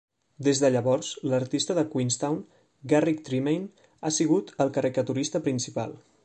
Des de llavors, l'artista de Queenstown, Garrick Tremain, ha sigut el caricaturista principal.